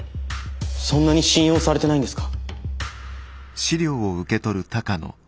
そんなに信用されてないんですか？